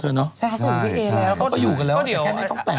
ใช่ค่ะเขาก็อยู่กันแล้วเขาก็อยู่กันแล้วแค่ไม่ต้องแต่ง